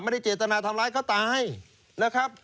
ไม่ได้เจตนาทำร้ายเขาตายนะครับ